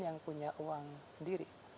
yang punya uang sendiri